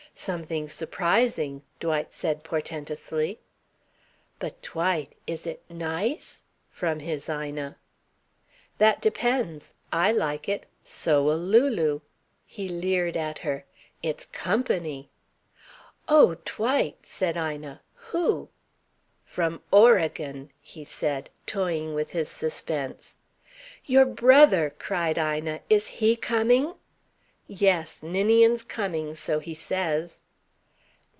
"Something surprising," Dwight said portentously. "But, Dwight is it nice?" from his Ina. "That depends. I like it. So'll Lulu." He leered at her. "It's company." "Oh, Dwight," said Ina. "Who?" "From Oregon," he said, toying with his suspense. "Your brother!" cried Ina. "Is he coming?" "Yes. Ninian's coming, so he says."